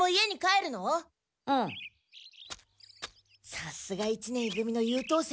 さすが一年い組の優等生。